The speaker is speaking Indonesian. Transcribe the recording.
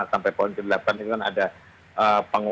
sampai poin ke delapan